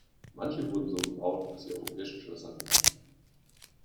Manche wurden so gebaut, dass sie europäischen Schlössern gleichen.